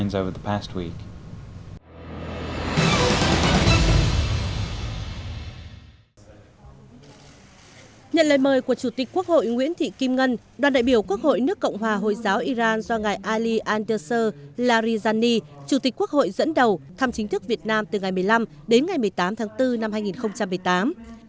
nhận lời mời của chủ tịch quốc hội nguyễn thị kim ngân đoàn đại biểu quốc hội nước cộng hòa hồi giáo iran do ngài ali andeser larijani chủ tịch quốc hội dẫn đầu thăm chính thức việt nam từ ngày một mươi năm đến ngày một mươi tám tháng bốn năm hai nghìn một mươi tám